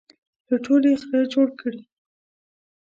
له ټولو یې خره جوړ کړي.